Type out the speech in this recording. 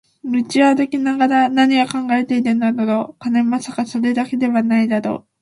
道を歩きながら何を考えているのだろう、金？まさか、それだけでも無いだろう